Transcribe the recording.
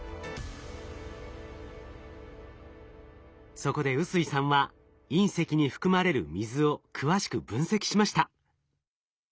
そこで臼井さんは隕石に含まれる水を詳しく分析しました。